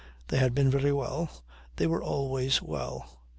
They had been very well. They were always well.